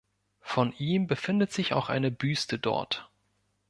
Von ihm befindet sich auch eine Büste dort.